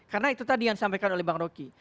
karena itu tadi yang disampaikan oleh bang roky